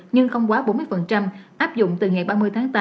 nhưng không quá bốn mươi áp dụng từ ngày ba mươi tháng tám